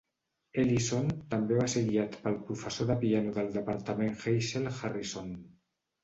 Ellison també va ser guiat pel professor de piano del departament Hazel Harrison.